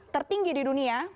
tertinggi di dunia